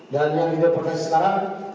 dan yang di depokasi sekarang